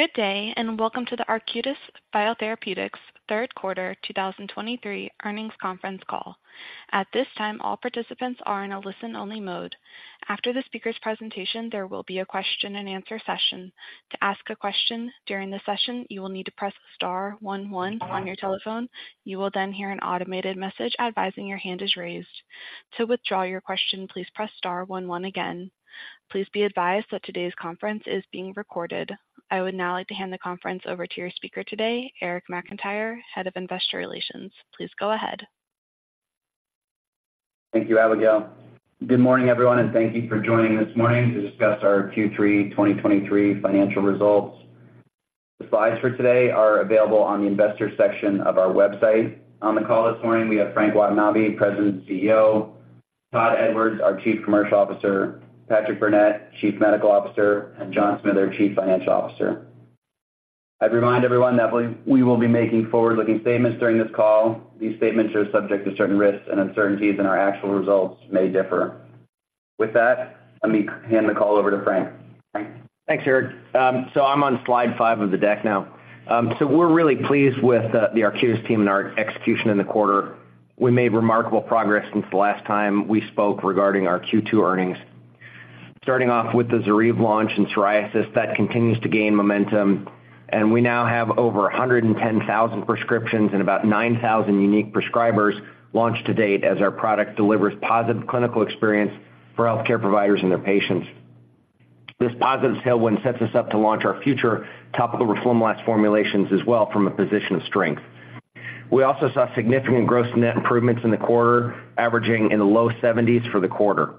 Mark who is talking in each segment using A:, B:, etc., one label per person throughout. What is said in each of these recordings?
A: Good day, and welcome to the Arcutis Biotherapeutics third quarter 2023 earnings conference call. At this time, all participants are in a listen-only mode. After the speaker's presentation, there will be a question and answer session. To ask a question during the session, you will need to press star one one on your telephone. You will then hear an automated message advising your hand is raised. To withdraw your question, please press star one one again. Please be advised that today's conference is being recorded. I would now like to hand the conference over to your speaker today, Eric McIntyre, Head of Investor Relations. Please go ahead.
B: Thank you, Abigail. Good morning, everyone, and thank you for joining this morning to discuss our Q3 2023 financial results. The slides for today are available on the Investors section of our website. On the call this morning, we have Frank Watanabe, President and CEO; Todd Edwards, our Chief Commercial Officer; Patrick Burnett, Chief Medical Officer; and John Smither, Chief Financial Officer. I'd remind everyone that we will be making forward-looking statements during this call. These statements are subject to certain risks and uncertainties, and our actual results may differ. With that, let me hand the call over to Frank. Frank?
C: Thanks, Eric. So I'm on Slide 5 of the deck now. So we're really pleased with the Arcutis team and our execution in the quarter. We made remarkable progress since the last time we spoke regarding our Q2 earnings. Starting off with the ZORYVE launch in psoriasis, that continues to gain momentum, and we now have over 110,000 prescriptions and about 9,000 unique prescribers launched to date as our product delivers positive clinical experience for healthcare providers and their patients. This positive tailwind sets us up to launch our future topical roflumilast formulations as well from a position of strength. We also saw significant gross-to-net improvements in the quarter, averaging in the low 70s for the quarter.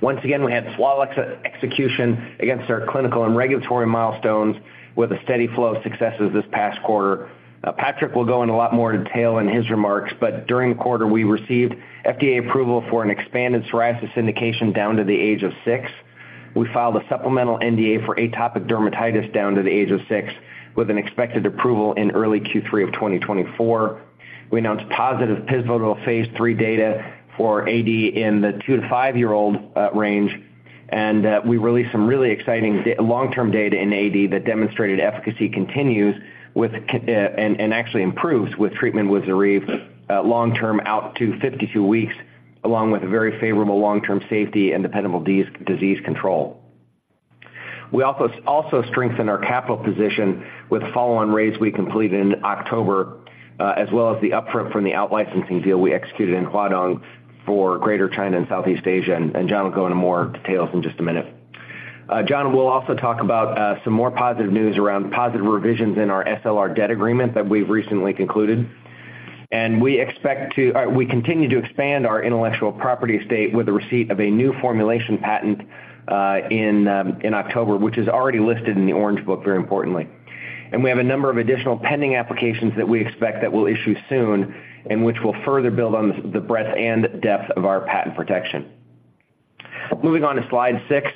C: Once again, we had flawless execution against our clinical and regulatory milestones with a steady flow of successes this past quarter. Now, Patrick will go into a lot more detail in his remarks, but during the quarter, we received FDA approval for an expanded psoriasis indication down to the age of six. We filed a supplemental NDA for atopic dermatitis down to the age of six, with an expected approval in early Q3 of 2024. We announced positive pivotal phase III data for AD in the two to five-year-old range, and we released some really exciting long-term data in AD that demonstrated efficacy continues and actually improves with treatment with ZORYVE long-term out to 52 weeks, along with very favorable long-term safety and dependable disease control. We also strengthened our capital position with the follow-on raise we completed in October, as well as the upfront from the out-licensing deal we executed in Huadong for Greater China and Southeast Asia, and John will go into more details in just a minute. John will also talk about some more positive news around positive revisions in our SLR debt agreement that we've recently concluded, and we continue to expand our intellectual property estate with the receipt of a new formulation patent in October, which is already listed in the Orange Book, very importantly. And we have a number of additional pending applications that we expect will issue soon and which will further build on the breadth and depth of our patent protection. Moving on to Slide 6,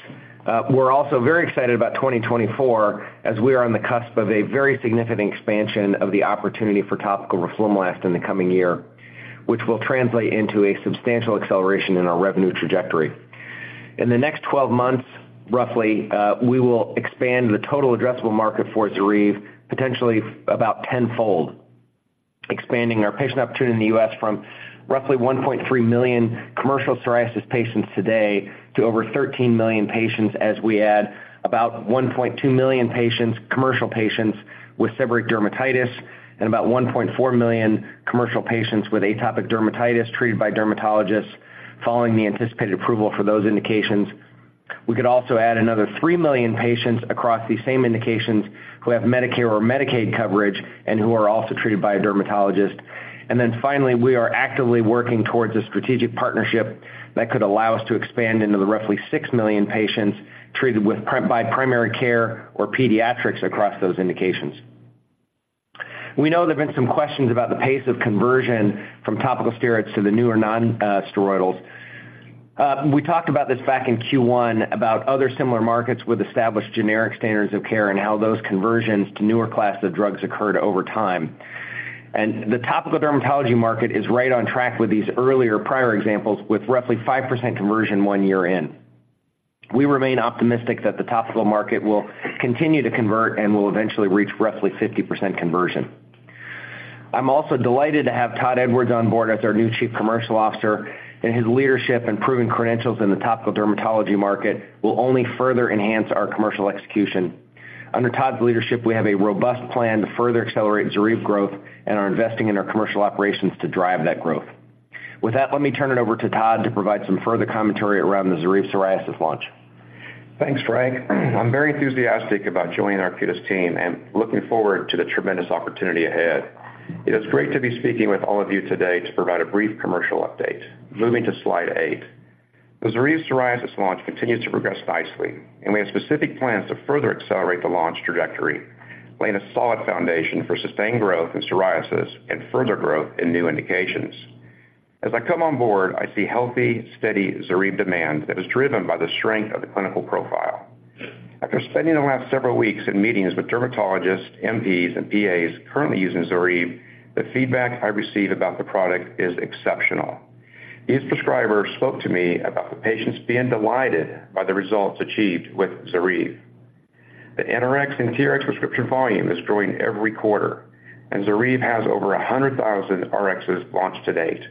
C: we're also very excited about 2024, as we are on the cusp of a very significant expansion of the opportunity for topical roflumilast in the coming year, which will translate into a substantial acceleration in our revenue trajectory. In the next 12 months, roughly, we will expand the total addressable market for ZORYVE, potentially about tenfold, expanding our patient opportunity in the U.S. from roughly 1.3 million commercial psoriasis patients today to over 13 million patients as we add about 1.2 million patients, commercial patients, with seborrheic dermatitis and about 1.4 million commercial patients with atopic dermatitis treated by dermatologists, following the anticipated approval for those indications. We could also add another 3 million patients across these same indications who have Medicare or Medicaid coverage and who are also treated by a dermatologist. And then finally, we are actively working towards a strategic partnership that could allow us to expand into the roughly 6 million patients treated with primary care or pediatrics across those indications. We know there have been some questions about the pace of conversion from topical steroids to the newer non-steroidals. We talked about this back in Q1 about other similar markets with established generic standards of care and how those conversions to newer classes of drugs occurred over time. And the topical dermatology market is right on track with these earlier prior examples, with roughly 5% conversion one year in. We remain optimistic that the topical market will continue to convert and will eventually reach roughly 50% conversion. I'm also delighted to have Todd Edwards on board as our new Chief Commercial Officer, and his leadership and proven credentials in the topical dermatology market will only further enhance our commercial execution. Under Todd's leadership, we have a robust plan to further accelerate ZORYVE growth and are investing in our commercial operations to drive that growth. With that, let me turn it over to Todd to provide some further commentary around the ZORYVE psoriasis launch.
D: Thanks, Frank. I'm very enthusiastic about joining Arcutis team and looking forward to the tremendous opportunity ahead. It is great to be speaking with all of you today to provide a brief commercial update. Moving to Slide 8. The ZORYVE psoriasis launch continues to progress nicely, and we have specific plans to further accelerate the launch trajectory, laying a solid foundation for sustained growth in psoriasis and further growth in new indications. As I come on board, I see healthy, steady ZORYVE demand that is driven by the strength of the clinical profile. After spending the last several weeks in meetings with dermatologists, NPs, and PAs currently using ZORYVE, the feedback I receive about the product is exceptional. These prescribers spoke to me about the patients being delighted by the results achieved with ZORYVE. The NRx and TRx prescription volume is growing every quarter, and ZORYVE has over 100,000 RXs launched to date.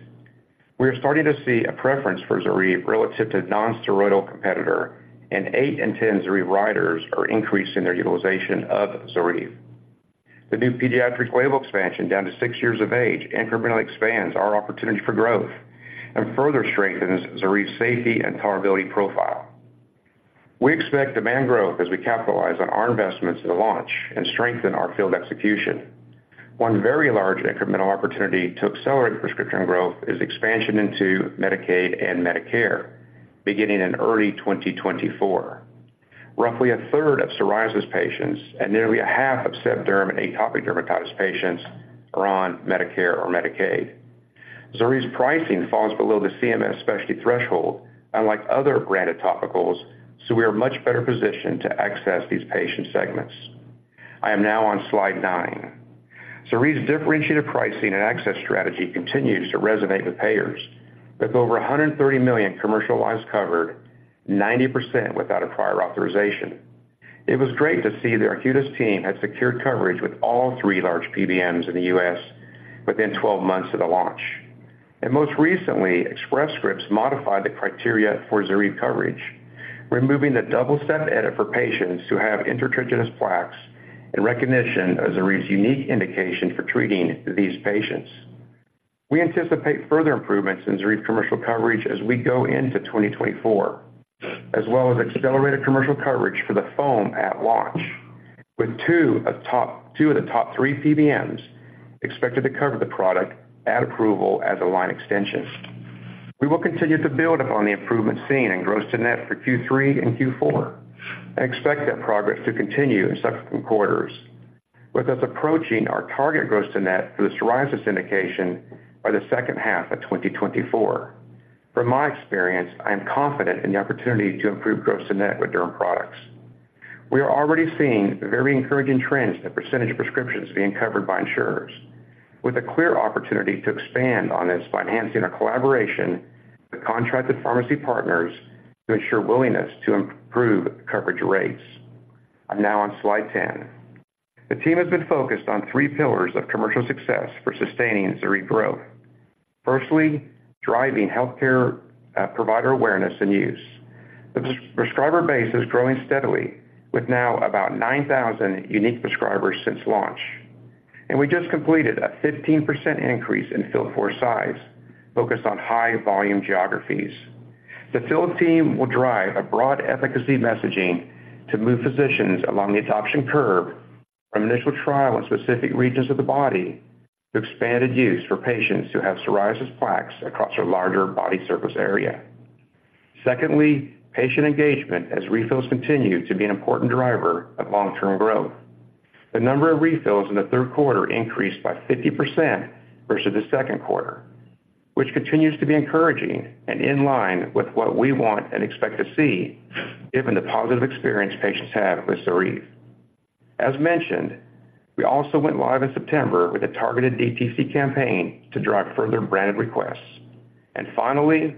D: We are starting to see a preference for ZORYVE relative to non-steroidal competitor, and eight in 10 ZORYVE writers are increasing their utilization of ZORYVE. The new pediatric label expansion, down to six years of age, incrementally expands our opportunity for growth and further strengthens ZORYVE's safety and tolerability profile. We expect demand growth as we capitalize on our investments in the launch and strengthen our field execution. One very large incremental opportunity to accelerate prescription growth is expansion into Medicaid and Medicare, beginning in early 2024. Roughly a third of psoriasis patients and nearly a half of seb derm and atopic dermatitis patients are on Medicare or Medicaid. ZORYVE's pricing falls below the CMS specialty threshold, unlike other branded topicals, so we are much better positioned to access these patient segments. I am now on Slide 9. ZORYVE's differentiated pricing and access strategy continues to resonate with payers, with over 130 million commercial lives covered, 90% without a prior authorization. It was great to see the Arcutis team had secured coverage with all three large PBMs in the U.S. within 12 months of the launch. Most recently, Express Scripts modified the criteria for ZORYVE coverage, removing the double step edit for patients who have intertriginous plaques in recognition of ZORYVE's unique indication for treating these patients. We anticipate further improvements in ZORYVE commercial coverage as we go into 2024, as well as accelerated commercial coverage for the foam at launch, with two of the top three PBMs expected to cover the product at approval as a line extension. We will continue to build upon the improvement seen in gross to net for Q3 and Q4 and expect that progress to continue in subsequent quarters, with us approaching our target gross to net for the psoriasis indication by the second half of 2024. From my experience, I am confident in the opportunity to improve gross to net with derm products. We are already seeing very encouraging trends in the percentage of prescriptions being covered by insurers, with a clear opportunity to expand on this by enhancing our collaboration with contracted pharmacy partners to ensure willingness to improve coverage rates. I'm now on Slide 10. The team has been focused on three pillars of commercial success for sustaining ZORYVE growth. Firstly, driving healthcare provider awareness and use. The prescriber base is growing steadily, with now about 9,000 unique prescribers since launch. We just completed a 15% increase in field force size, focused on high volume geographies. The field team will drive a broad efficacy messaging to move physicians along the adoption curve from initial trial in specific regions of the body to expanded use for patients who have psoriasis plaques across a larger body surface area. Secondly, patient engagement as refills continue to be an important driver of long-term growth. The number of refills in the third quarter increased by 50% versus the second quarter, which continues to be encouraging and in line with what we want and expect to see, given the positive experience patients have with ZORYVE. As mentioned, we also went live in September with a targeted DTC campaign to drive further branded requests. And finally,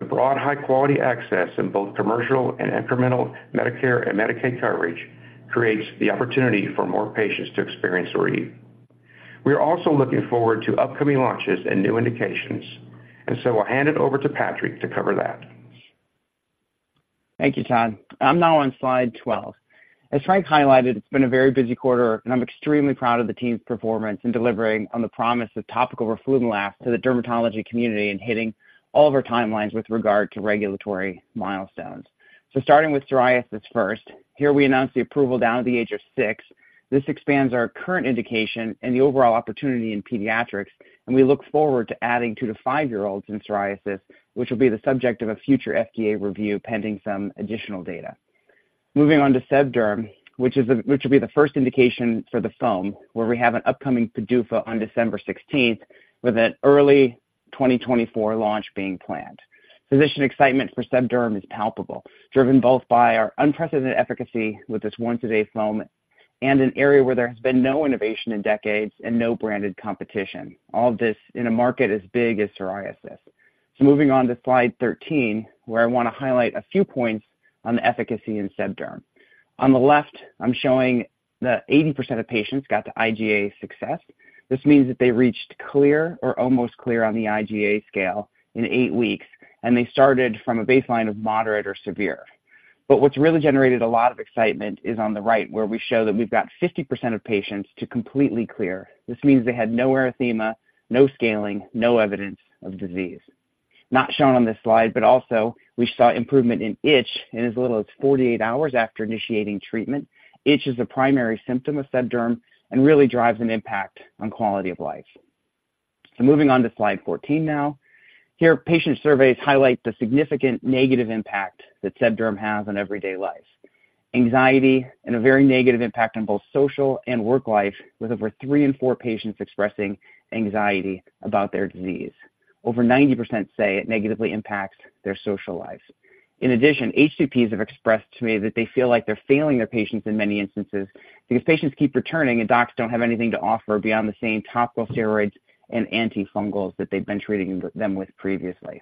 D: the broad high-quality access in both commercial and incremental Medicare and Medicaid coverage creates the opportunity for more patients to experience ZORYVE. We are also looking forward to upcoming launches and new indications, and so I'll hand it over to Patrick to cover that.
E: Thank you, Todd. I'm now on Slide 12. As Frank highlighted, it's been a very busy quarter, and I'm extremely proud of the team's performance in delivering on the promise of topical roflumilast to the dermatology community and hitting all of our timelines with regard to regulatory milestones. Starting with psoriasis first, here we announced the approval down to the age of six. This expands our current indication and the overall opportunity in pediatrics, and we look forward to adding two to five-year-olds in psoriasis, which will be the subject of a future FDA review, pending some additional data. Moving on to seb derm, which will be the first indication for the foam, where we have an upcoming PDUFA on December 16th, with an early 2024 launch being planned. Physician excitement for seb derm is palpable, driven both by our unprecedented efficacy with this once-a-day foam and an area where there has been no innovation in decades and no branded competition. All of this in a market as big as psoriasis. Moving on to Slide 13, where I want to highlight a few points on the efficacy in seb derm. On the left, I'm showing that 80% of patients got to IGA success. This means that they reached clear or almost clear on the IGA scale in eight weeks, and they started from a baseline of moderate or severe. But what's really generated a lot of excitement is on the right, where we show that we've got 50% of patients to completely clear. This means they had no erythema, no scaling, no evidence of disease. Not shown on this slide, but also we saw improvement in itch in as little as 48 hours after initiating treatment. Itch is a primary symptom of seb derm and really drives an impact on quality of life. So moving on to Slide 14 now. Here, patient surveys highlight the significant negative impact that seb derm has on everyday life, anxiety and a very negative impact on both social and work life, with over three in four patients expressing anxiety about their disease. Over 90% say it negatively impacts their social lives. In addition, HCPs have expressed to me that they feel like they're failing their patients in many instances because patients keep returning, and docs don't have anything to offer beyond the same topical steroids and antifungals that they've been treating them with previously.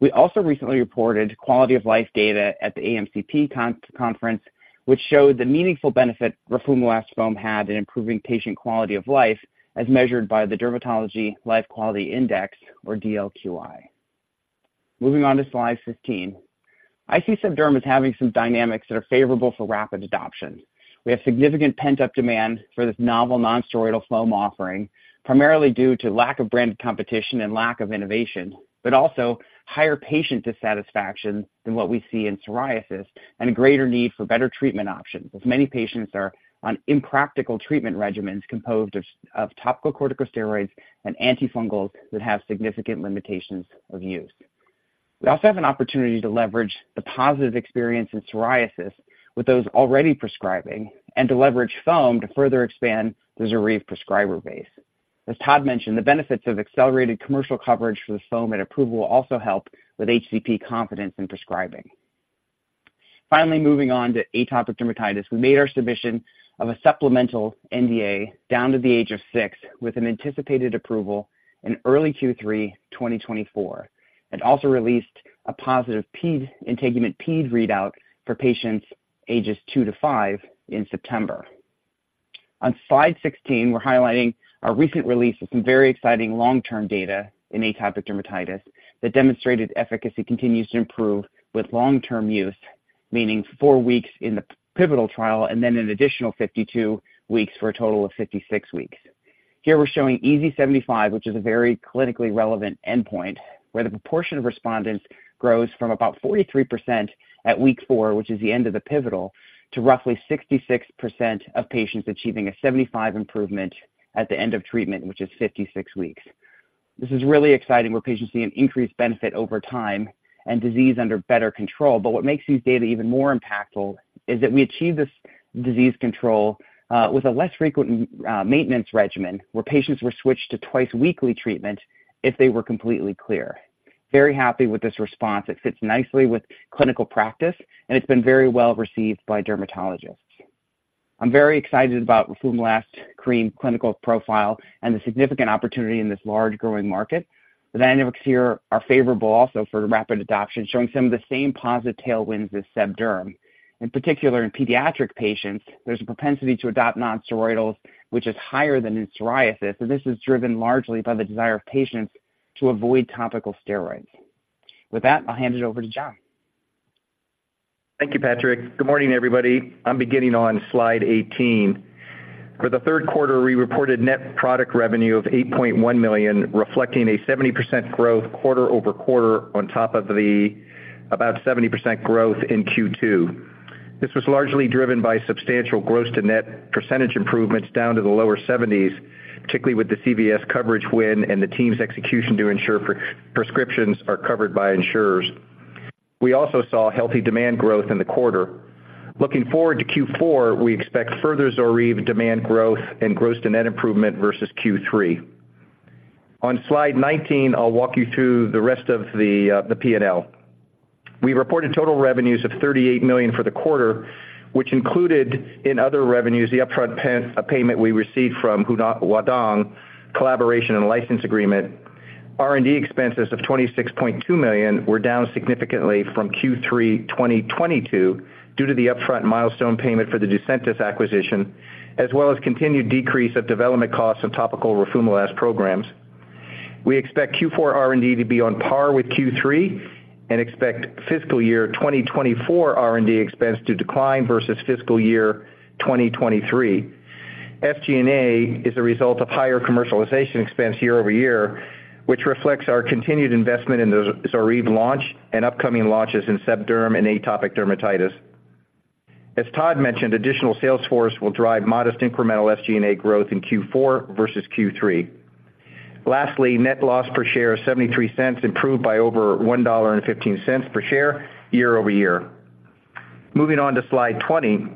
E: We also recently reported quality of life data at the AMCP Conference, which showed the meaningful benefit roflumilast foam had in improving patient quality of life, as measured by the Dermatology Life Quality Index, or DLQI. Moving on to Slide 15. I see seb derm as having some dynamics that are favorable for rapid adoption. We have significant pent-up demand for this novel nonsteroidal foam offering, primarily due to lack of brand competition and lack of innovation, but also higher patient dissatisfaction than what we see in psoriasis, and a greater need for better treatment options, as many patients are on impractical treatment regimens composed of topical corticosteroids and antifungals that have significant limitations of use. We also have an opportunity to leverage the positive experience in psoriasis with those already prescribing, and to leverage foam to further expand the ZORYVE prescriber base. As Todd mentioned, the benefits of accelerated commercial coverage for the foam at approval will also help with HCP confidence in prescribing. Finally, moving on to atopic dermatitis. We made our submission of a supplemental NDA down to the age of six, with an anticipated approval in early Q3 2024, and also released a positive INTEGUMENT-PED readout for patients ages two to five in September. On Slide 16, we're highlighting our recent release of some very exciting long-term data in atopic dermatitis that demonstrated efficacy continues to improve with long-term use, meaning four weeks in the pivotal trial and then an additional 52 weeks for a total of 56 weeks. Here we're showing EASI 75, which is a very clinically relevant endpoint, where the proportion of respondents grows from about 43% at week four, which is the end of the pivotal, to roughly 66% of patients achieving a 75 improvement at the end of treatment, which is 56 weeks. This is really exciting, where patients see an increased benefit over time and disease under better control. But what makes these data even more impactful is that we achieve this disease control with a less frequent maintenance regimen, where patients were switched to twice-weekly treatment if they were completely clear. Very happy with this response. It fits nicely with clinical practice, and it's been very well received by dermatologists. I'm very excited about roflumilast cream clinical profile and the significant opportunity in this large, growing market. The dynamics here are favorable also for rapid adoption, showing some of the same positive tailwinds as seb derm. In particular, in pediatric patients, there's a propensity to adopt nonsteroidals, which is higher than in psoriasis, and this is driven largely by the desire of patients to avoid topical steroids. With that, I'll hand it over to John.
F: Thank you, Patrick. Good morning, everybody. I'm beginning on Slide 18. For the third quarter, we reported net product revenue of $8.1 million, reflecting a 70% growth quarter-over-quarter on top of the about 70% growth in Q2. This was largely driven by substantial gross to net percentage improvements down to the lower 70s, particularly with the CVS coverage win and the team's execution to ensure pre-prescriptions are covered by insurers. We also saw healthy demand growth in the quarter. Looking forward to Q4, we expect further ZORYVE demand growth and gross to net improvement versus Q3. On Slide 19, I'll walk you through the rest of the P&L. We reported total revenues of $38 million for the quarter, which included, in other revenues, the upfront payment we received from Huadong collaboration and license agreement. R&D expenses of $26.2 million were down significantly from Q3 2022 due to the upfront milestone payment for the Ducentis acquisition, as well as continued decrease of development costs of topical roflumilast programs. We expect Q4 R&D to be on par with Q3 and expect fiscal year 2024 R&D expense to decline versus fiscal year 2023. SG&A is a result of higher commercialization expense year-over-year, which reflects our continued investment in the ZORYVE launch and upcoming launches in seb derm and atopic dermatitis. As Todd mentioned, additional sales force will drive modest incremental SG&A growth in Q4 versus Q3. Lastly, net loss per share of $0.73 improved by over $1.15 per share year-over-year. Moving on to Slide 20.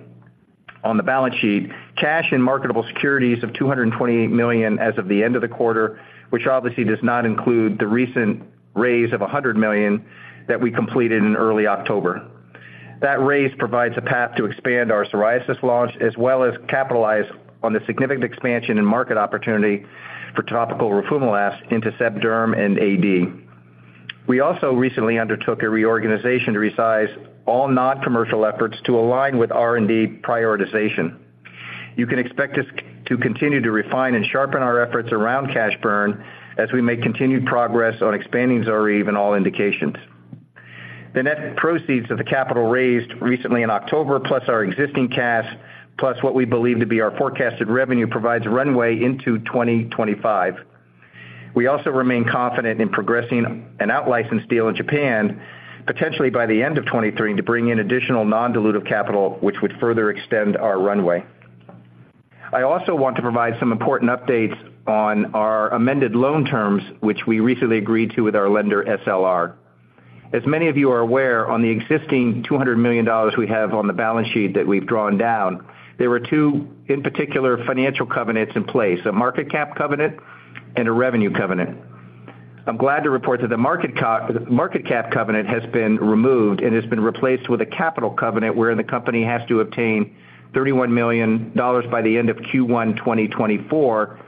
F: On the balance sheet, cash and marketable securities of $228 million as of the end of the quarter, which obviously does not include the recent raise of $100 million that we completed in early October. That raise provides a path to expand our psoriasis launch, as well as capitalize on the significant expansion in market opportunity for topical roflumilast into seb derm and AD. We also recently undertook a reorganization to resize all noncommercial efforts to align with R&D prioritization. You can expect us to continue to refine and sharpen our efforts around cash burn as we make continued progress on expanding ZORYVE in all indications. The net proceeds of the capital raised recently in October, plus our existing cash, plus what we believe to be our forecasted revenue, provides runway into 2025. We also remain confident in progressing an out-license deal in Japan, potentially by the end of 2023, to bring in additional non-dilutive capital, which would further extend our runway. I also want to provide some important updates on our amended loan terms, which we recently agreed to with our lender, SLR. As many of you are aware, on the existing $200 million we have on the balance sheet that we've drawn down, there were two, in particular, financial covenants in place: a market cap covenant and a revenue covenant. I'm glad to report that the market cap covenant has been removed and has been replaced with a capital covenant, where the company has to obtain $31 million by the end of Q1 2024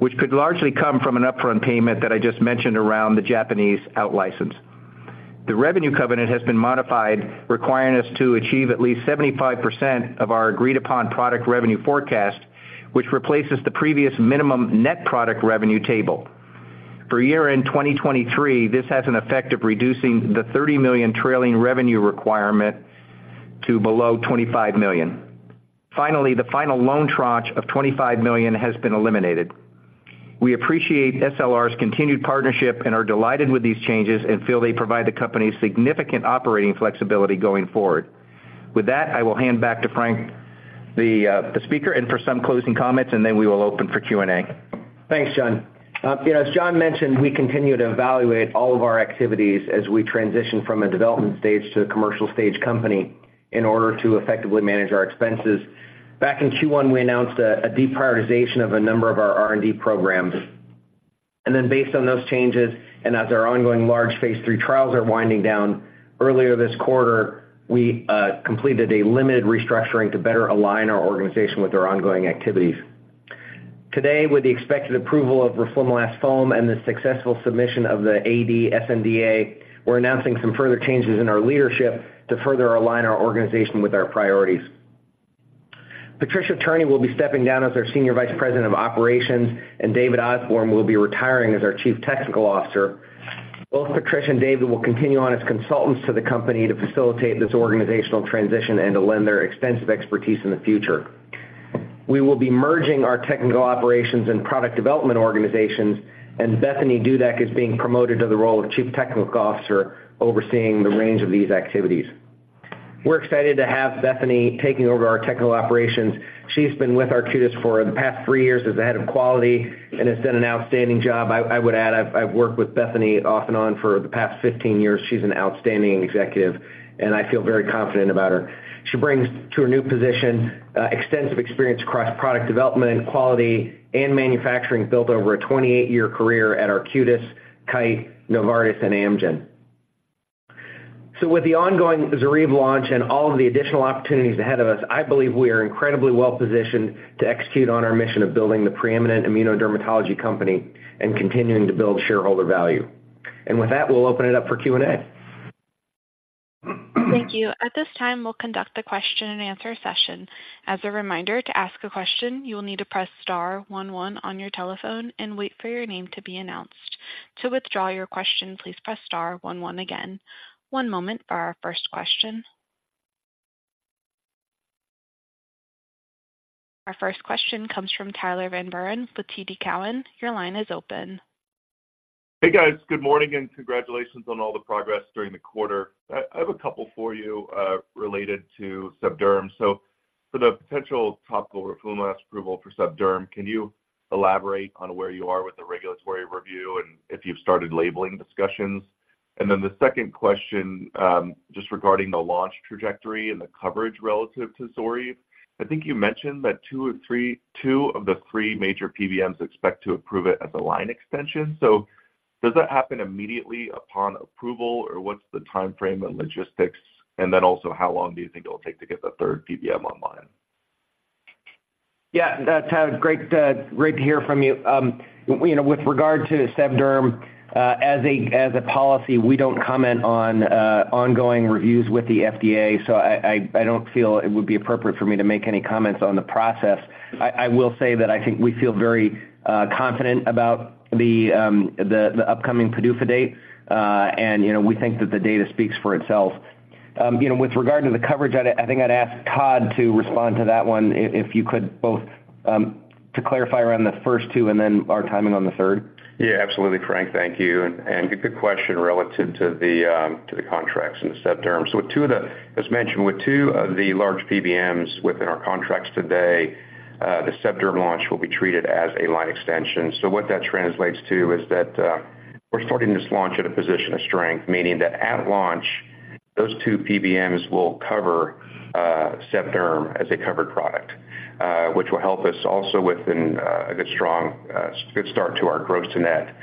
F: which could largely come from an upfront payment that I just mentioned around the Japanese out-license. The revenue covenant has been modified, requiring us to achieve at least 75% of our agreed-upon product revenue forecast, which replaces the previous minimum net product revenue table. For year-end 2023, this has an effect of reducing the $30 million trailing revenue requirement to below $25 million. Finally, the final loan tranche of $25 million has been eliminated. We appreciate SLR's continued partnership and are delighted with these changes and feel they provide the company significant operating flexibility going forward. With that, I will hand back to Frank, the speaker, and for some closing comments, and then we will open for Q&A.
C: Thanks, John. You know, as John mentioned, we continue to evaluate all of our activities as we transition from a development stage to a commercial stage company in order to effectively manage our expenses. Back in Q1, we announced a deprioritization of a number of our R&D programs. Then based on those changes, and as our ongoing large phase III trials are winding down, earlier this quarter, we completed a limited restructuring to better align our organization with our ongoing activities. Today, with the expected approval of roflumilast foam and the successful submission of the AD sNDA, we're announcing some further changes in our leadership to further align our organization with our priorities. Patricia Turney will be stepping down as our Senior Vice President of Operations, and David Osborne will be retiring as our Chief Technical Officer. Both Patricia and David will continue on as consultants to the company to facilitate this organizational transition and to lend their extensive expertise in the future. We will be merging our technical operations and product development organizations, and Bethany Dudek is being promoted to the role of Chief Technical Officer, overseeing the range of these activities. We're excited to have Bethany taking over our technical operations. She's been with Arcutis for the past three years as the Head of Quality and has done an outstanding job. I would add, I've worked with Bethany off and on for the past 15 years. She's an outstanding executive, and I feel very confident about her. She brings to her new position extensive experience across product development, quality, and manufacturing, built over a 28-year career at Arcutis, Kite, Novartis, and Amgen. So with the ongoing ZORYVE launch and all of the additional opportunities ahead of us, I believe we are incredibly well positioned to execute on our mission of building the preeminent immunodermatology company and continuing to build shareholder value. And with that, we'll open it up for Q&A.
A: Thank you. At this time, we'll conduct the question-and-answer session. As a reminder, to ask a question, you will need to press star one one on your telephone and wait for your name to be announced. To withdraw your question, please press star one one again. One moment for our first question. Our first question comes from Tyler Van Buren with TD Cowen. Your line is open.
G: Hey, guys. Good morning, and congratulations on all the progress during the quarter. I have a couple for you, related to seb derm. So for the potential topical roflumilast approval for seb derm, can you elaborate on where you are with the regulatory review and if you've started labeling discussions? And then the second question, just regarding the launch trajectory and the coverage relative to ZORYVE, I think you mentioned that two of the three major PBMs expect to approve it as a line extension. So does that happen immediately upon approval, or what's the timeframe and logistics? And then also, how long do you think it will take to get the third PBM online?
C: Yeah. That's great. Great to hear from you. You know, with regard to seb derm, as a policy, we don't comment on ongoing reviews with the FDA, so I don't feel it would be appropriate for me to make any comments on the process. I will say that I think we feel very confident about the upcoming PDUFA date, and you know, we think that the data speaks for itself. You know, with regard to the coverage, I think I'd ask Todd to respond to that one, if you could, both to clarify around the first two and then our timing on the third.
D: Yeah, absolutely, Frank, thank you. Good question relative to the contracts in the seb derm. So, as mentioned, with two of the large PBMs within our contracts today, the seb derm launch will be treated as a line extension. So what that translates to is that, we're starting this launch at a position of strength, meaning that at launch, those two PBMs will cover seb derm as a covered product, which will help us also within a good, strong, good start to our gross to net.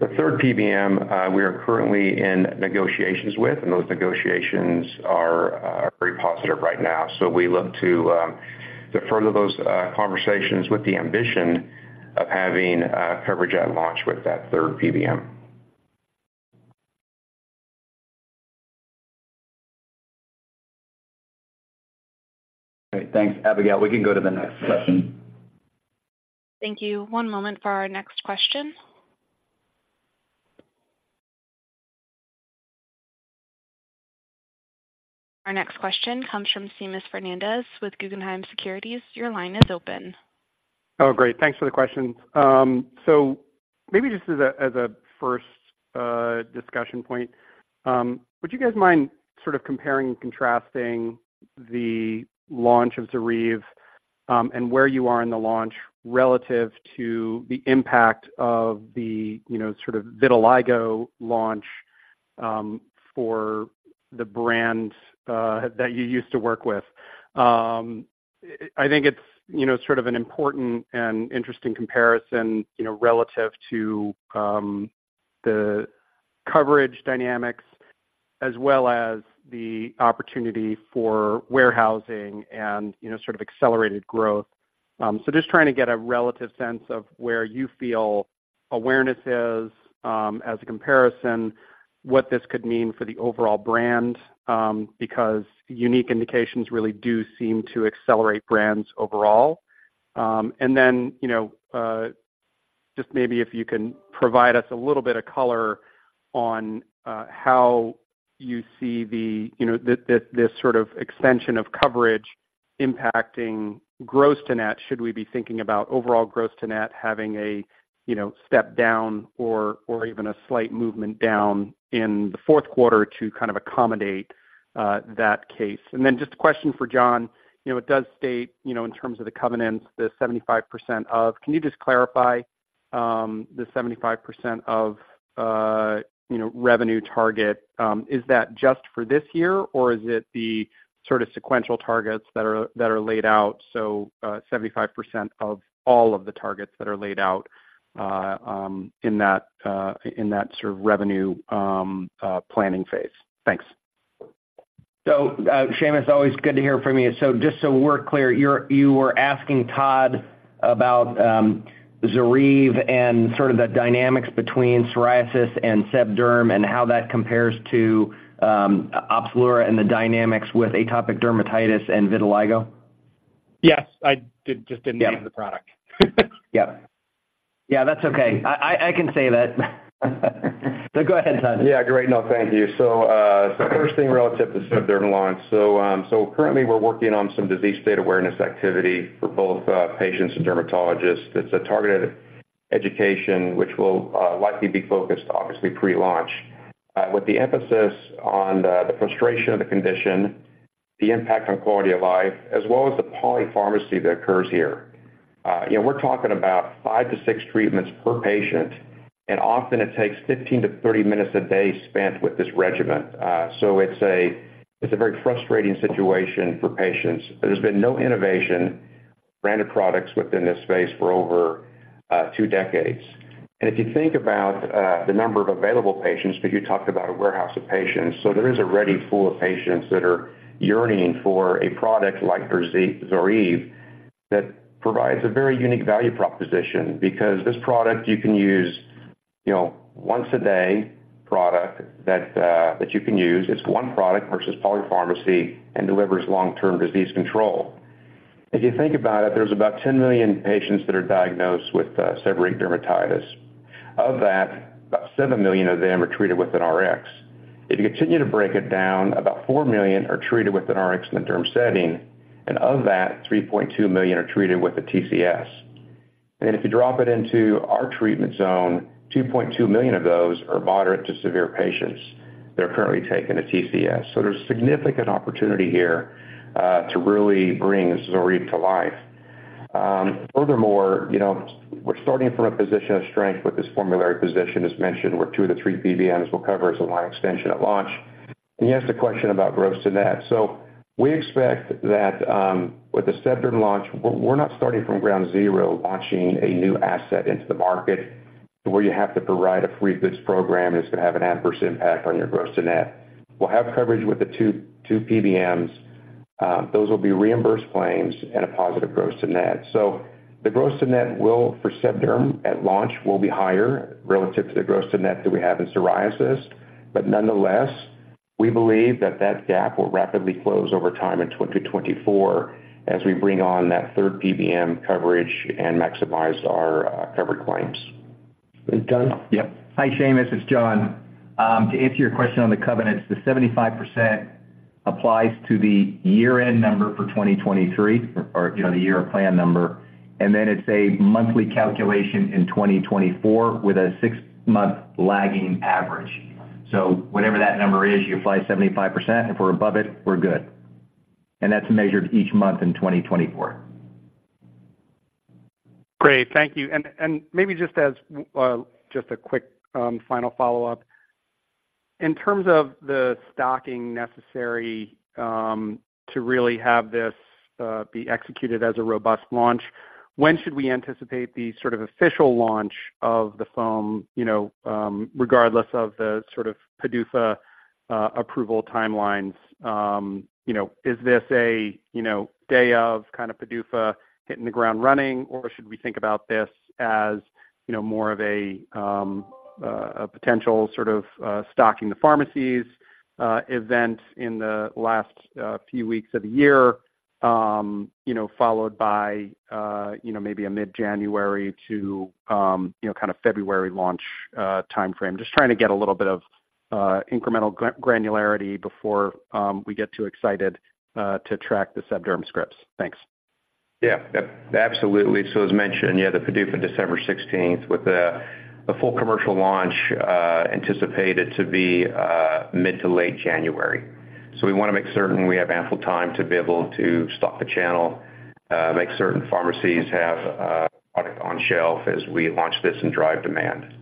D: The third PBM, we are currently in negotiations with, and those negotiations are very positive right now. So we look to further those conversations with the ambition of having coverage at launch with that third PBM.
C: Great, thanks. Abigail, we can go to the next question.
A: Thank you. One moment for our next question. Our next question comes from Seamus Fernandez with Guggenheim Securities. Your line is open.
H: Oh, great. Thanks for the questions. So maybe just as a first discussion point, would you guys mind sort of comparing and contrasting the launch of ZORYVE, and where you are in the launch relative to the impact of the, you know, sort of vitiligo launch, for the brand, that you used to work with? I think it's, you know, sort of an important and interesting comparison, you know, relative to, the coverage dynamics, as well as the opportunity for warehousing and, you know, sort of accelerated growth. So just trying to get a relative sense of where you feel awareness is, as a comparison, what this could mean for the overall brand, because unique indications really do seem to accelerate brands overall. And then, you know, just maybe if you can provide us a little bit of color on, how you see the, you know, the, this, this sort of extension of coverage impacting gross to net. Should we be thinking about overall gross to net having a, you know, step down or, or even a slight movement down in the fourth quarter to kind of accommodate, that case? And then just a question for John. You know, it does state, you know, in terms of the covenants, the 75% of-- can you just clarify, the 75% of, you know, revenue target? Is that just for this year, or is it the sort of sequential targets that are laid out, so, 75% of all of the targets that are laid out, in that sort of revenue planning phase? Thanks.
C: So, Seamus, always good to hear from you. So just so we're clear, you were asking Todd about ZORYVE and sort of the dynamics between psoriasis and seb derm, and how that compares to Opzelura and the dynamics with atopic dermatitis and vitiligo?
H: Yes, I did, just didn't name the product.
C: Yep. Yeah, that's okay. I can say that. So go ahead, Todd.
D: Yeah, great. No, thank you. So, first thing relative to seb derm launch. So, currently we're working on some disease state awareness activity for both, patients and dermatologists. It's a targeted education, which will likely be focused, obviously, pre-launch. With the emphasis on the frustration of the condition, the impact on quality of life, as well as the polypharmacy that occurs here. You know, we're talking about five to six treatments per patient, and often it takes 15-30 minutes a day spent with this regimen. So, it's a very frustrating situation for patients. There's been no innovation, branded products within this space for over two decades. And if you think about the number of available patients, but you talked about a warehouse of patients, so there is a ready pool of patients that are yearning for a product like ZORYVE, that provides a very unique value proposition. Because this product, you can use, you know, once a day product that you can use. It's one product versus polypharmacy and delivers long-term disease control. If you think about it, there's about 10 million patients that are diagnosed with severe dermatitis. Of that, about 7 million of them are treated with an Rx. If you continue to break it down, about 4 million are treated with an Rx in the derm setting, and of that, 3.2 million are treated with a TCS. If you drop it into our treatment zone, 2.2 million of those are moderate to severe patients that are currently taking a TCS. So there's significant opportunity here to really bring ZORYVE to life. Furthermore, you know, we're starting from a position of strength with this formulary position. As mentioned, we're two of the three PBMs will cover as a line extension at launch. And he asked a question about gross to net. So we expect that with the seb derm launch, we're not starting from ground zero, launching a new asset into the market, where you have to provide a free goods program, and it's going to have an adverse impact on your gross to net. We'll have coverage with the two PBMs. Those will be reimbursed claims and a positive gross to net. So the gross to net will, for seb derm at launch, will be higher relative to the gross to net that we have in psoriasis. But nonetheless, we believe that that gap will rapidly close over time in 2024, as we bring on that third PBM coverage and maximize our covered claims.
F: And John? Yep. Hi, Seamus, it's John. To answer your question on the covenants, the 75% applies to the year-end number for 2023 or you know, the year plan number, and then it's a monthly calculation in 2024 with a six-month lagging average. So whatever that number is, you apply 75%. If we're above it, we're good. And that's measured each month in 2024.
H: Great. Thank you. And maybe just as a quick final follow-up. In terms of the stocking necessary to really have this be executed as a robust launch, when should we anticipate the sort of official launch of the foam, you know, regardless of the sort of PDUFA approval timelines, you know, is this a you know day of kind of PDUFA hitting the ground running, or should we think about this as you know more of a a potential sort of stocking the pharmacies event in the last few weeks of the year, you know, followed by you know maybe a mid-January to you know kind of February launch timeframe? Just trying to get a little bit of incremental granularity before we get too excited to track the seb derm scripts. Thanks.
D: Yeah. Yep, absolutely. So as mentioned, yeah, the PDUFA, December 16th, with the full commercial launch anticipated to be mid to late January. So we want to make certain we have ample time to be able to stock the channel, make certain pharmacies have product on shelf as we launch this and drive demand.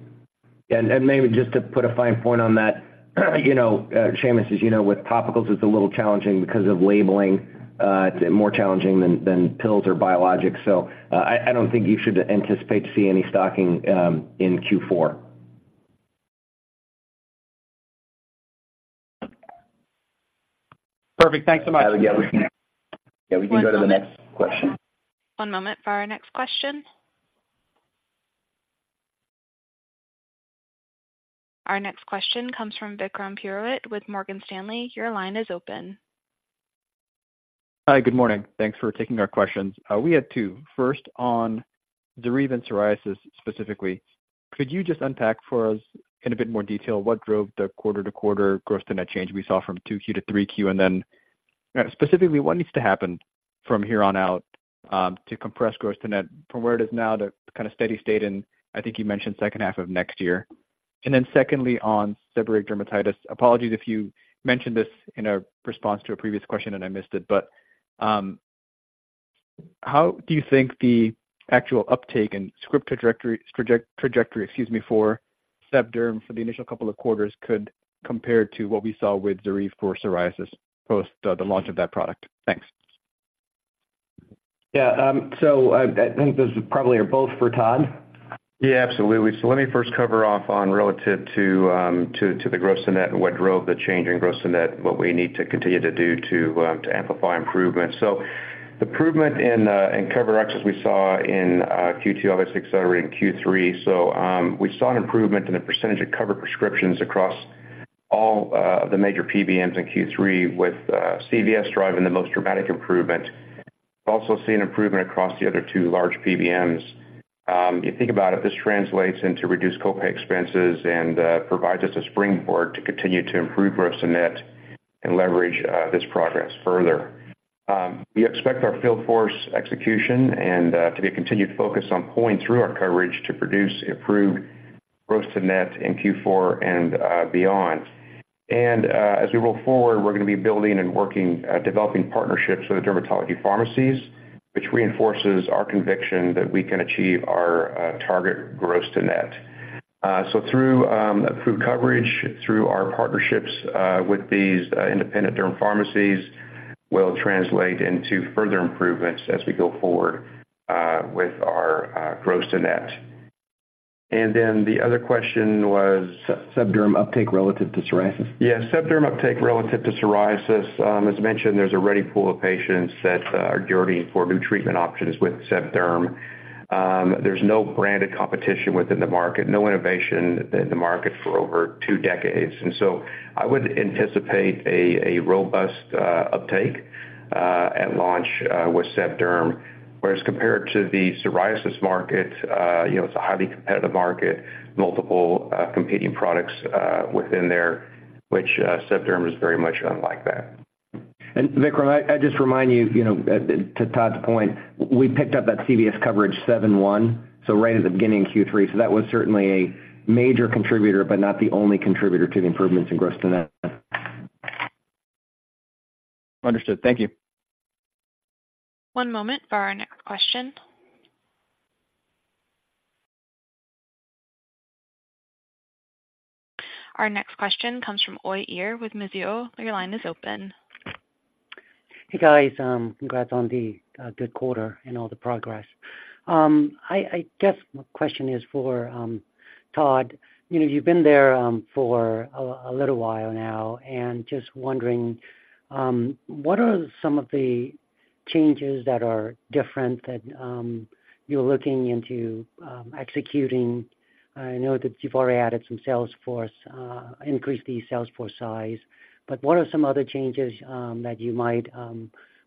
C: And maybe just to put a fine point on that, you know, Seamus, as you know, with topicals, it's a little challenging because of labeling. It's more challenging than pills or biologics, so I don't think you should anticipate to see any stocking in Q4.
H: Perfect. Thanks so much.
C: Yeah, we can go to the next question.
A: One moment for our next question. Our next question comes from Vikram Purohit with Morgan Stanley. Your line is open.
I: Hi, good morning. Thanks for taking our questions. We had two. First, on ZORYVE and psoriasis specifically, could you just unpack for us in a bit more detail what drove the quarter-to-quarter gross to net change we saw from 2Q to 3Q? And then, specifically, what needs to happen from here on out, to compress gross to net from where it is now to kind of steady state in, I think you mentioned second half of next year. And then secondly, on seborrheic dermatitis. Apologies if you mentioned this in a response to a previous question and I missed it, but how do you think the actual uptake and script trajectory, trajectory, excuse me, for seb derm for the initial couple of quarters could compare to what we saw with ZORYVE for psoriasis post, the launch of that product? Thanks.
C: Yeah, so, I think those probably are both for Todd.
D: Yeah, absolutely. So let me first cover off on relative to the gross to net and what drove the change in gross to net, what we need to continue to do to amplify improvement. So the improvement in coverage, as we saw in Q2, obviously accelerated in Q3. So, we saw an improvement in the percentage of covered prescriptions across all the major PBMs in Q3, with CVS driving the most dramatic improvement. Also see an improvement across the other two large PBMs. You think about it, this translates into reduced copay expenses and provides us a springboard to continue to improve gross to net and leverage this progress further. We expect our field force execution and to be a continued focus on pulling through our coverage to produce improved gross to net in Q4 and beyond. And as we roll forward, we're going to be building and working developing partnerships with the dermatology pharmacies, which reinforces our conviction that we can achieve our target gross to net. So through approved coverage, through our partnerships with these independent derm pharmacies, will translate into further improvements as we go forward with our gross to net. And then the other question was?
I: seb derm uptake relative to psoriasis.
D: Yeah, seb derm uptake relative to psoriasis. As mentioned, there's a ready pool of patients that are yearning for new treatment options with seb derm. There's no branded competition within the market, no innovation in the market for over two decades. And so I would anticipate a robust uptake at launch with seb derm. Whereas compared to the psoriasis market, you know, it's a highly competitive market, multiple competing products within there, which seb derm is very much unlike that.
C: Vikram, I just remind you, you know, to Todd's point, we picked up that CVS coverage 71, so right at the beginning of Q3. So that was certainly a major contributor, but not the only contributor to the improvements in gross to net.
I: Understood. Thank you.
A: One moment for our next question. Our next question comes from Uy Ear with Mizuho. Your line is open.
J: Hey, guys, congrats on the good quarter and all the progress. I guess my question is for Todd. You know, you've been there for a little while now, and just wondering what are some of the changes that are different that you're looking into executing? I know that you've already added some sales force, increased the sales force size, but what are some other changes that you might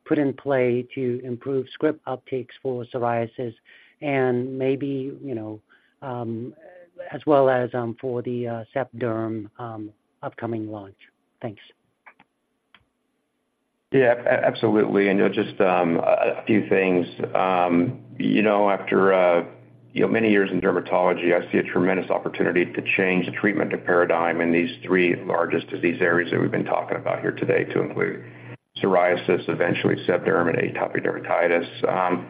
J: put in play to improve script uptakes for psoriasis and maybe, you know, as well as for the seb derm upcoming launch? Thanks.
D: Yeah, absolutely, and just a few things. You know, after you know, many years in dermatology, I see a tremendous opportunity to change the treatment paradigm in these three largest disease areas that we've been talking about here today, to include psoriasis, eventually seb derm, and atopic dermatitis.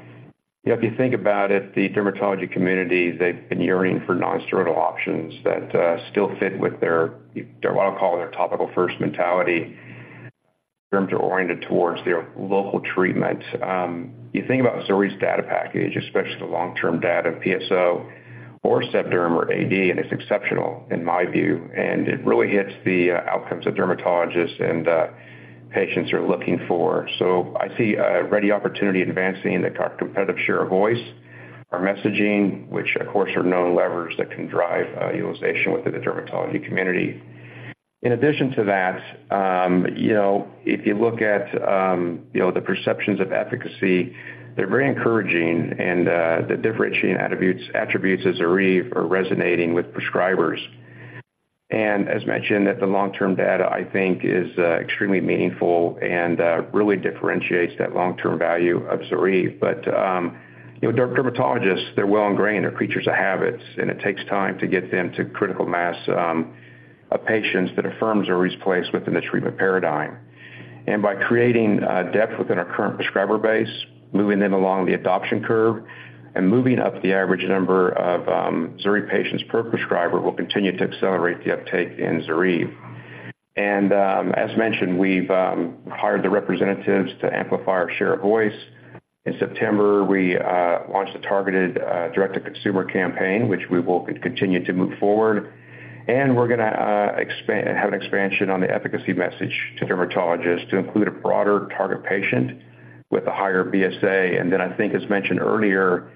D: If you think about it, the dermatology community, they've been yearning for non-steroidal options that still fit with their, what I call their topical-first mentality, derms are oriented towards their local treatment. You think about ZORYVE's data package, especially the long-term data in PSO or seb derm or AD, and it's exceptional in my view, and it really hits the outcomes that dermatologists and patients are looking for. So I see a ready opportunity advancing in the competitive share of voice, our messaging, which of course are known levers that can drive utilization within the dermatology community. In addition to that, you know, if you look at you know the perceptions of efficacy, they're very encouraging and the differentiating attributes of ZORYVE are resonating with prescribers. As mentioned, that the long-term data I think is extremely meaningful and really differentiates that long-term value of ZORYVE. But you know, dermatologists, they're well ingrained, they're creatures of habits, and it takes time to get them to critical mass of patients that affirms ZORYVE's place within the treatment paradigm. By creating depth within our current prescriber base, moving them along the adoption curve, and moving up the average number of ZORYVE patients per prescriber, will continue to accelerate the uptake in ZORYVE. And as mentioned, we've hired the representatives to amplify our share of voice. In September, we launched a targeted direct-to-consumer campaign, which we will continue to move forward, and we're going to have an expansion on the efficacy message to dermatologists to include a broader target patient with a higher BSA. Then I think as mentioned earlier,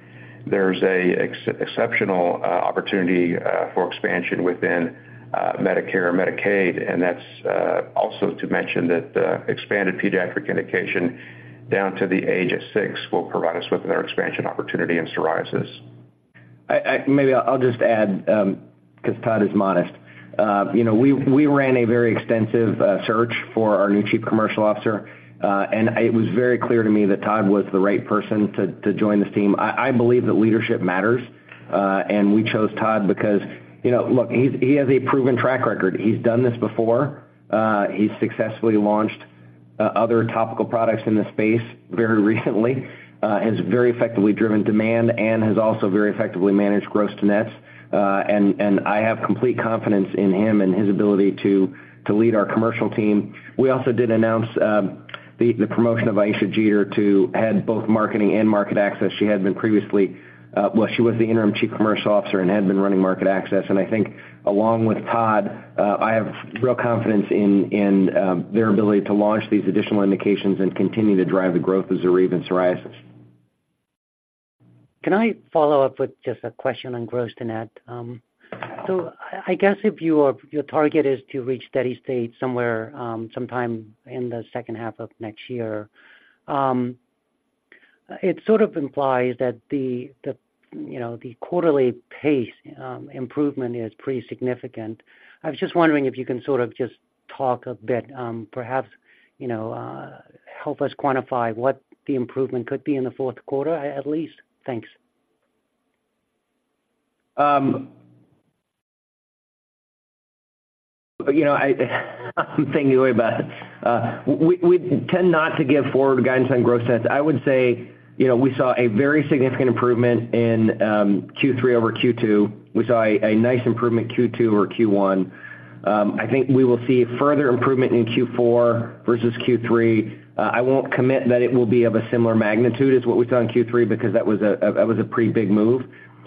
D: there's an exceptional opportunity for expansion within Medicare and Medicaid, and that's also to mention that the expanded pediatric indication down to the age of six will provide us with another expansion opportunity in psoriasis.
C: Maybe I'll just add, because Todd is modest. You know, we ran a very extensive search for our new Chief Commercial Officer, and it was very clear to me that Todd was the right person to join this team. I believe that leadership matters, and we chose Todd because, you know, look, he has a proven track record. He's done this before, he successfully launched other topical products in this space very recently, has very effectively driven demand and has also very effectively managed gross to nets. And I have complete confidence in him and his ability to lead our commercial team. We also did announce the promotion of Ayisha Jeter to head both marketing and market access. She had been previously, well, she was the interim Chief Commercial Officer and had been running market access. I think along with Todd, I have real confidence in their ability to launch these additional indications and continue to drive the growth of ZORYVE in psoriasis.
J: Can I follow up with just a question on gross to net? So I guess if your target is to reach steady state somewhere sometime in the second half of next year, it sort of implies that the you know the quarterly pace improvement is pretty significant. I was just wondering if you can sort of just talk a bit perhaps you know help us quantify what the improvement could be in the fourth quarter at least. Thanks.
C: You know, I'm thinking about, we tend not to give forward guidance on gross-to-net. I would say, you know, we saw a very significant improvement in Q3 over Q2. We saw a nice improvement Q2 over Q1. I think we will see further improvement in Q4 versus Q3. I won't commit that it will be of a similar magnitude as what we saw in Q3, because that was a pretty big move.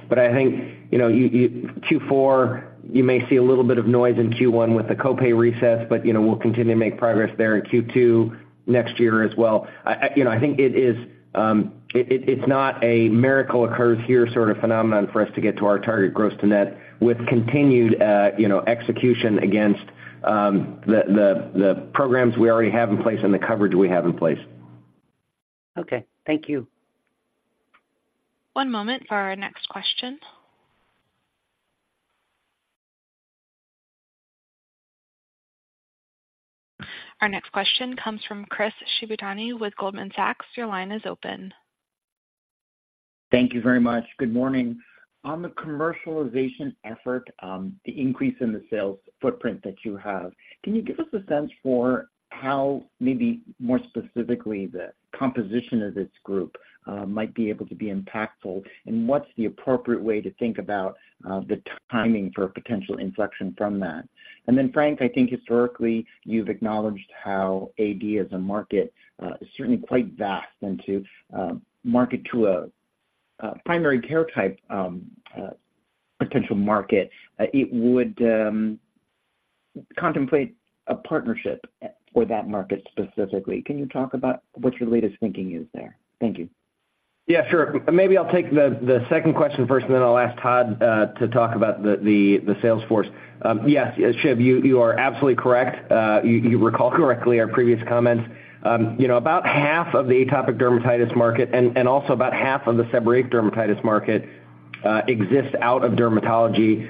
C: But I think, you know, Q4, you may see a little bit of noise in Q1 with the co-pay resets, but, you know, we'll continue to make progress there in Q2 next year as well. You know, I think it is. It's not a miracle occurs here sort of phenomenon for us to get to our target gross to net with continued, you know, execution against the programs we already have in place and the coverage we have in place.
J: Okay. Thank you.
A: One moment for our next question. Our next question comes from Chris Shibutani with Goldman Sachs. Your line is open.
K: Thank you very much. Good morning. On the commercialization effort, the increase in the sales footprint that you have, can you give us a sense for how maybe more specifically, the composition of this group, might be able to be impactful, and what's the appropriate way to think about, the timing for a potential inflection from that? And then, Frank, I think historically, you've acknowledged how AD as a market is certainly quite vast. And to market to a primary care type potential market, it would contemplate a partnership for that market specifically. Can you talk about what your latest thinking is there? Thank you.
C: Yeah, sure. Maybe I'll take the second question first, and then I'll ask Todd to talk about the sales force. Yes, Shib, you are absolutely correct. You recall correctly our previous comments. You know, about half of the atopic dermatitis market and also about half of the seborrheic dermatitis market exists out of dermatology.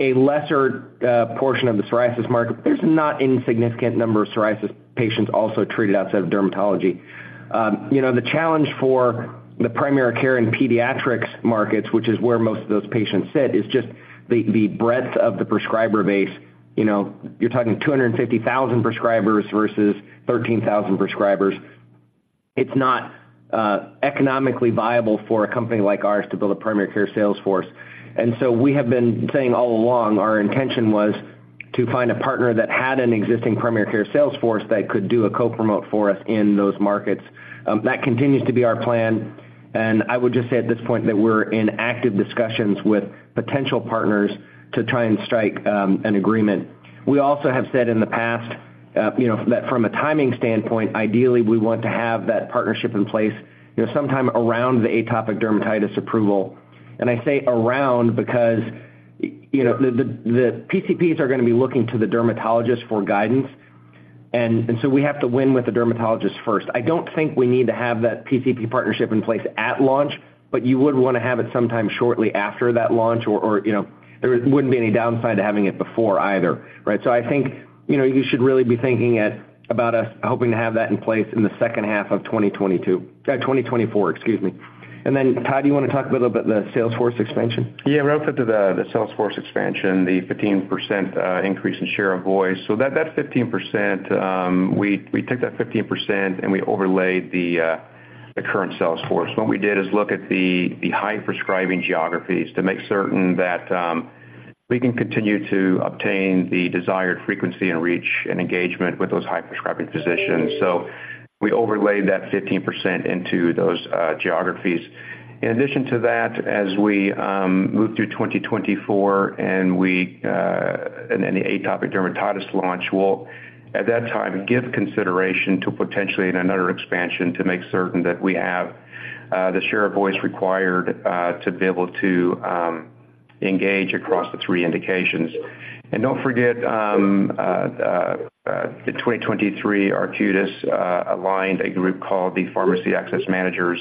C: A lesser portion of the psoriasis market, there's not any significant number of psoriasis patients also treated outside of dermatology. You know, the challenge for the primary care and pediatrics markets, which is where most of those patients sit, is just the breadth of the prescriber base. You know, you're talking 250,000 prescribers versus 13,000 prescribers. It's not economically viable for a company like ours to build a primary care sales force. So we have been saying all along, our intention was to find a partner that had an existing primary care sales force that could do a co-promote for us in those markets. That continues to be our plan, and I would just say at this point that we're in active discussions with potential partners to try and strike an agreement. We also have said in the past, you know, that from a timing standpoint, ideally, we want to have that partnership in place, you know, sometime around the atopic dermatitis approval. I say around because, you know, the PCPs are going to be looking to the dermatologists for guidance, and so we have to win with the dermatologists first. I don't think we need to have that PCP partnership in place at launch, but you would want to have it sometime shortly after that launch, or, or, you know, there wouldn't be any downside to having it before either, right? So I think, you know, you should really be thinking about us hoping to have that in place in the second half of 2022, 2024, excuse me. And then, Todd, do you want to talk a little bit about the sales force expansion?
D: Yeah, relative to the sales force expansion, the 15% increase in share of voice. So that 15%, we took that 15%, and we overlaid the current sales force. What we did is look at the high prescribing geographies to make certain that we can continue to obtain the desired frequency and reach and engagement with those high-prescribing physicians. So we overlay that 15% into those geographies. In addition to that, as we move through 2024 and then the atopic dermatitis launch, we'll, at that time, give consideration to potentially another expansion to make certain that we have the share of voice required to be able to engage across the three indications. And don't forget, in 2023, Arcutis aligned a group called the Pharmacy Access Managers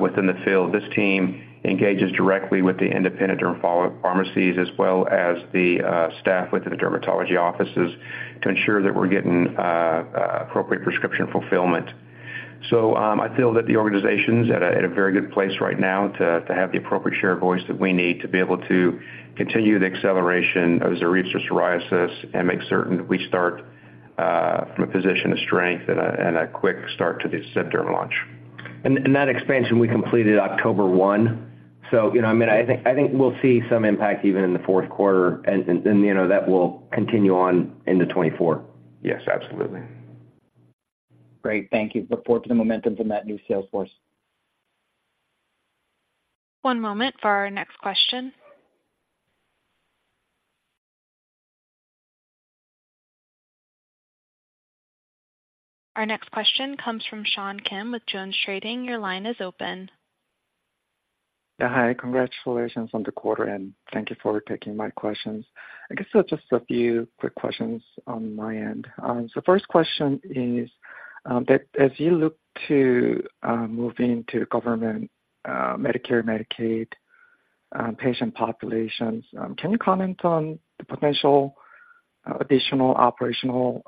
D: within the field. This team engages directly with the independent derma pharmacies, as well as the staff within the dermatology offices to ensure that we're getting appropriate prescription fulfillment. So, I feel that the organization's at a very good place right now to have the appropriate share of voice that we need to be able to continue the acceleration of ZORYVE psoriasis and make certain that we start from a position of strength and a quick start to the seb derm launch.
C: That expansion, we completed October 1. So, you know, I mean, I think we'll see some impact even in the fourth quarter, and, you know, that will continue on into 2024.
D: Yes, absolutely.
K: Great, thank you. Look forward to the momentum from that new sales force.
A: One moment for our next question. Our next question comes from Sean Kim with JonesTrading. Your line is open.
L: Yeah, hi. Congratulations on the quarter, and thank you for taking my questions. I guess just a few quick questions on my end. So first question is that as you look to move into government, Medicare, Medicaid patient populations, can you comment on the potential additional operational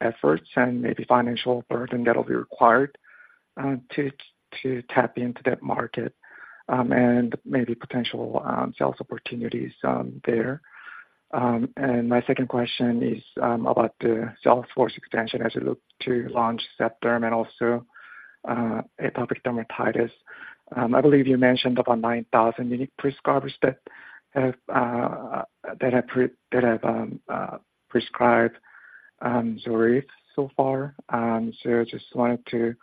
L: efforts and maybe financial burden that will be required to tap into that market, and maybe potential sales opportunities there? And my second question is about the sales force expansion as you look to launch seb derm and also atopic dermatitis. I believe you mentioned about 9,000 unique prescribers that have prescribed ZORYVE so far. So I just wanted to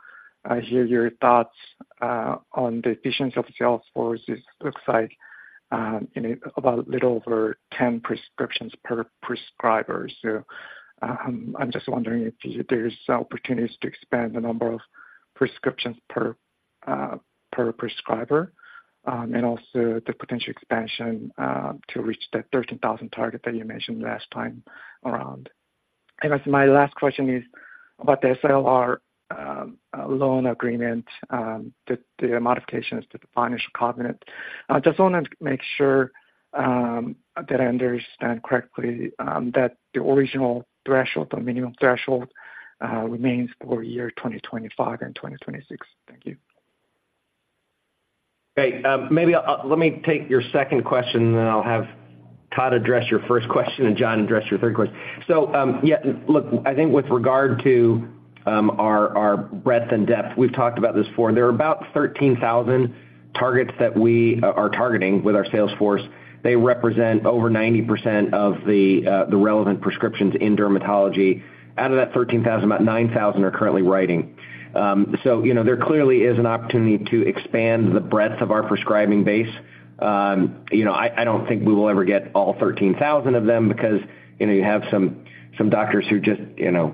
L: hear your thoughts on the efficiency of sales force. It looks like, you know, about a little over 10 prescriptions per prescriber. So, I'm just wondering if there is opportunities to expand the number of prescriptions per, per prescriber, and also the potential expansion, to reach that 13,000 target that you mentioned last time around. And I guess my last question is about the SLR, loan agreement, the, the modifications to the financial covenant. I just want to make sure, that I understand correctly, that the original threshold, the minimum threshold, remains for year 2025 and 2026. Thank you.
C: Great. Let me take your second question, and then I'll have Todd address your first question and John address your third question. So, yeah, look, I think with regard to our breadth and depth, we've talked about this before. There are about 13,000 targets that we are targeting with our sales force. They represent over 90% of the relevant prescriptions in dermatology. Out of that 13,000, about 9,000 are currently writing. So, you know, there clearly is an opportunity to expand the breadth of our prescribing base. You know, I don't think we will ever get all 13,000 of them because, you know, you have some doctors who just, you know,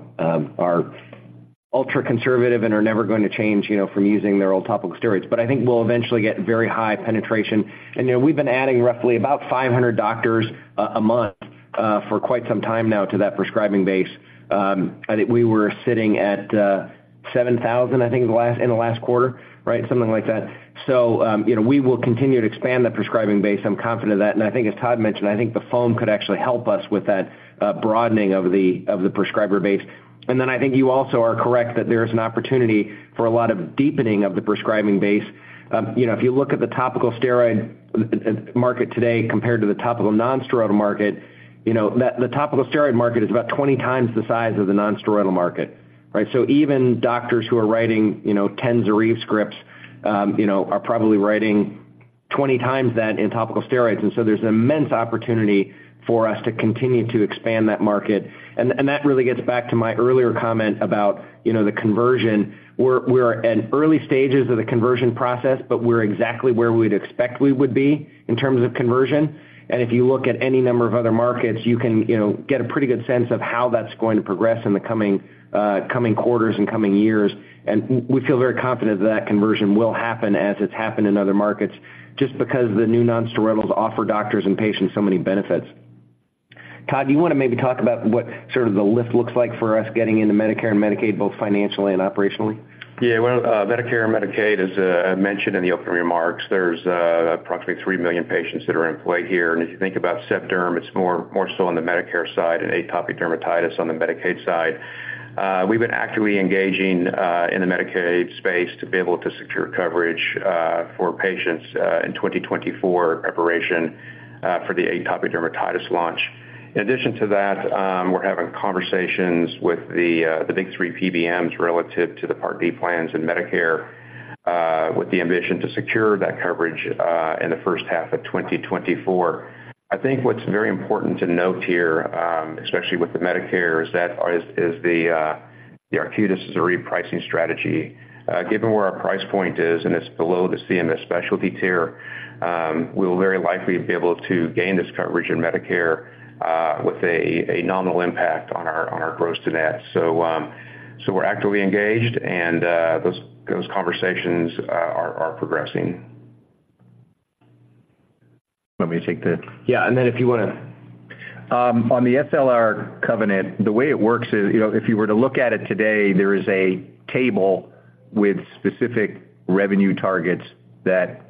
C: are ultra-conservative and are never going to change, you know, from using their old topical steroids. But I think we'll eventually get very high penetration. And, you know, we've been adding roughly about 500 doctors a month for quite some time now to that prescribing base. I think we were sitting at 7,000, I think, in the last quarter, right? Something like that. So, you know, we will continue to expand the prescribing base. I'm confident of that. And I think as Todd mentioned, I think the foam could actually help us with that broadening of the prescriber base. And then I think you also are correct that there is an opportunity for a lot of deepening of the prescribing base. You know, if you look at the topical steroid market today compared to the topical nonsteroidal market, you know, the topical steroid market is about 20 times the size of the nonsteroidal market, right? So even doctors who are writing, you know, 10 ZORYVE scripts, you know, are probably writing 20 times that in topical steroids. And so there's an immense opportunity for us to continue to expand that market. And that really gets back to my earlier comment about, you know, the conversion. We're at early stages of the conversion process, but we're exactly where we'd expect we would be in terms of conversion. And if you look at any number of other markets, you can, you know, get a pretty good sense of how that's going to progress in the coming quarters and coming years. We feel very confident that conversion will happen as it's happened in other markets, just because the new nonsteroidals offer doctors and patients so many benefits. Todd, do you want to maybe talk about what sort of the lift looks like for us getting into Medicare and Medicaid, both financially and operationally?
D: Yeah, well, Medicare and Medicaid, as I mentioned in the opening remarks, there's approximately 3 million patients that are in play here. And if you think about seb derm, it's more so on the Medicare side and atopic dermatitis on the Medicaid side. We've been actively engaging in the Medicaid space to be able to secure coverage for patients in 2024, in preparation for the atopic dermatitis launch. In addition to that, we're having conversations with the big three PBMs relative to the Part D plans in Medicare with the ambition to secure that coverage in the first half of 2024. I think what's very important to note here, especially with the Medicare, is that the Arcutis is a repricing strategy. Given where our price point is, and it's below the CMS specialty tier, we will very likely be able to gain this coverage in Medicare, with a nominal impact on our gross to net. So, we're actively engaged, and those conversations are progressing.
F: Let me take the-
D: Yeah, and then if you wanna-
F: On the SLR covenant, the way it works is, you know, if you were to look at it today, there is a table with specific revenue targets that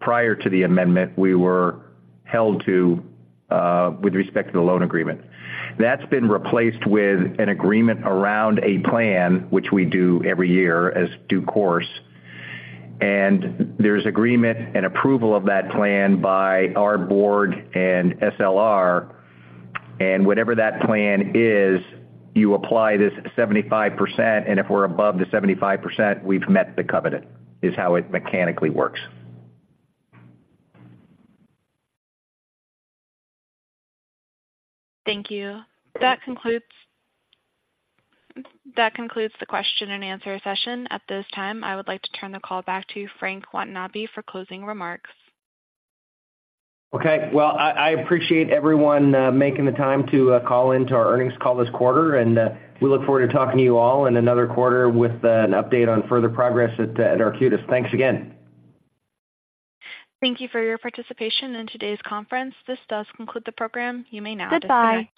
F: prior to the amendment, we were held to, with respect to the loan agreement. That's been replaced with an agreement around a plan, which we do every year as due course, and there's agreement and approval of that plan by our board and SLR. Whatever that plan is, you apply this 75%, and if we're above the 75%, we've met the covenant, is how it mechanically works.
A: Thank you. That concludes the question and answer session. At this time, I would like to turn the call back to Frank Watanabe for closing remarks.
C: Okay. Well, I appreciate everyone making the time to call in to our earnings call this quarter, and we look forward to talking to you all in another quarter with an update on further progress at Arcutis. Thanks again.
A: Thank you for your participation in today's conference. This does conclude the program. You may now disconnect.